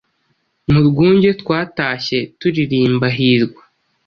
mu rwunge twatashye turirimba Hirwa